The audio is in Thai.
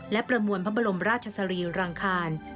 และประมวลพระบรมราชสรีรังคาร